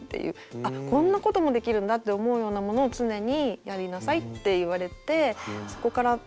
あっこんなこともできるんだって思うようなものを常にやりなさいって言われてそこから常に意識しています。